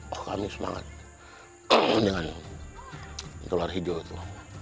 oh kami semangat dengan dolar hijau itu